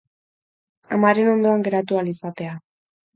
Amaren ondoan geratu ahal izatea.